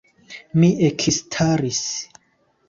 Mi ekstaris.